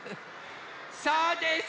そうです！